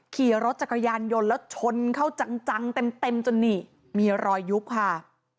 ขี่รถจักรยานยนต์แล้วชนเข้าจังเต็มจนนี่มีรอยยุบค่ะ